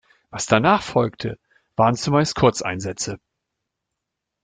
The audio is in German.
Was danach folgte, waren zumeist Kurzeinsätze.